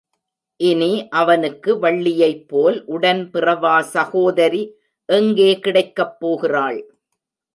இனி அவனுக்கு வள்ளியைப் போல் உடன் பிறவாசகோதரி எங்கே கிடைக்கப் போகிறாள்!